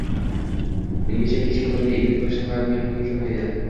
mengacha hech kim ularga egalik qilishni xayoliga ham keltirmagan edi.